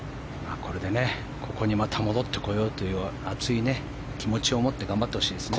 これでここにまた戻ってこようという熱い気持ちを持って頑張ってほしいですね。